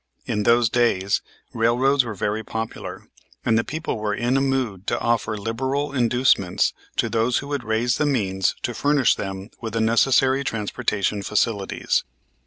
In those days, railroads were very popular, and the people were in a mood to offer liberal inducements to those who would raise the means to furnish them with the necessary transportation facilities.